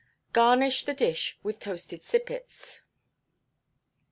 Garnish the dish with toasted sippets.